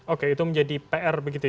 oke itu menjadi pr begitu ya